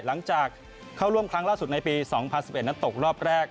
หลังจากเข้าร่วมครั้งล่าสุดในปี๒๐๑๑นั้นตกรอบแรก